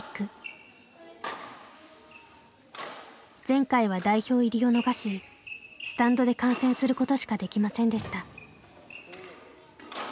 前回は代表入りを逃しスタンドで観戦することしかできませんでした。